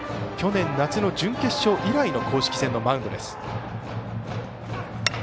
去年夏の準決勝以来の公式戦のマウンドです。